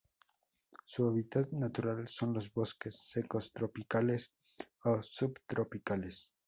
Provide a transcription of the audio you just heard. Su hábitat natural son los bosques secos tropicales o subtropicales.